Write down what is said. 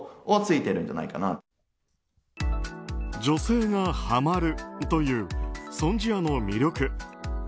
女性がハマるというソン・ジアの魅力。